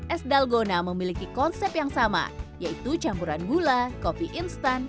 es dalgona memiliki konsep yang sama yaitu campuran gula kopi instan